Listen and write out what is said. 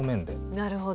なるほど。